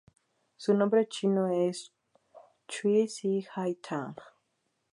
Su nombre chino es chui si hai tang.